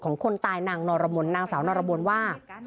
ของคนตายนางสาวนรม้วนว่า